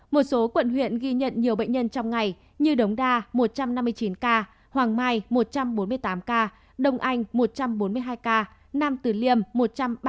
một số quận huyện ghi nhận nhiều bệnh nhân trong ngày như đống đa một trăm năm mươi chín ca hoàng mai một trăm bốn mươi tám ca đông anh một trăm bốn mươi hai ca nam tử liêm một trăm ba mươi ca